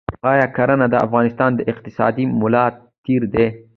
آیا کرنه د افغانستان د اقتصاد ملا تیر دی؟